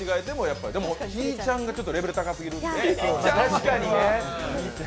でも、ひぃちゃんがちょっとレベル高すぎるんで。